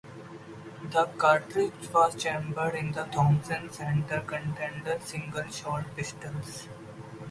The cartridge was chambered in the Thompson-Center Contender single shot pistols.